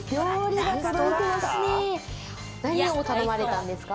何を頼まれたんですか？